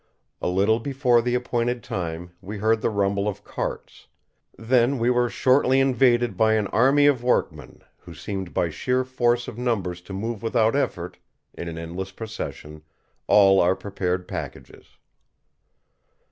A little before the appointed time we heard the rumble of carts; then we were shortly invaded by an army of workmen, who seemed by sheer force of numbers to move without effort, in an endless procession, all our prepared packages.